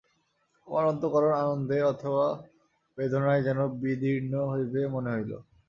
আমার অন্তঃকরণ আনন্দে অথবা বেদনায় যেন বিদীর্ণ হইবে মনে হইল।